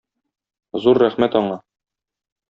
Зур рәхмәт аңа.